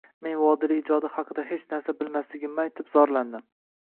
Men Vodiliy ijodi xaqida hech narsa bilmasligimni aytib, zorlandim.